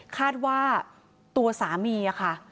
คาดว่าตัวสามีค่ะ